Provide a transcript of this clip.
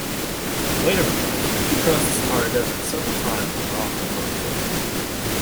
Later in life, he crossed the Sahara Desert several times on an off-road motorcycle.